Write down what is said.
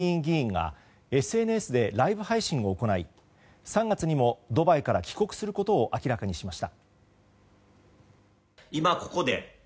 ＮＨＫ党のガーシー参議院議員がＳＮＳでライブ配信を行い３月にもドバイから帰国することを明らかにしました。